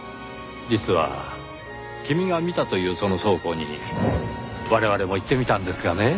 実は君が見たというその倉庫に我々も行ってみたんですがね